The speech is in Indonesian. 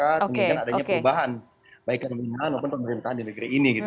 sehingga adanya perubahan baik dari pemerintahan maupun pemerintahan di negeri ini gitu loh mbak